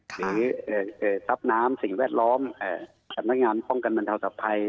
หรือทรัพย์น้ำสิ่งแวดล้อมภังกรรมกันบรรเทาสภัย